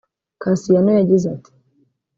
Kassiano yagize ati